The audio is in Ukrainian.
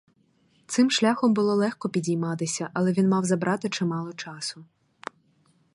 Цим шляхом було легко підійматися, але він мав забрати чимало часу.